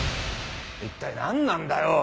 一体何なんだよ！